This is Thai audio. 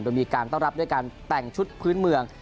โดยมีการต้อนรับด้วยการแต่งชุดพื้นเมือง